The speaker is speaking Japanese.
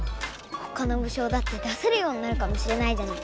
ほかの武将だって出せるようになるかもしれないじゃない。